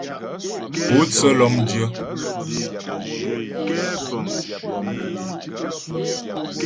Pótsə́ lɔ́mdyə́.